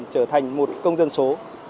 trở thành một công dân số